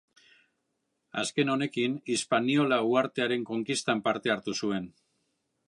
Azken honekin, Hispaniola uhartearen konkistan parte hartu zuen.